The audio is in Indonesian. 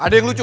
ada yang lucu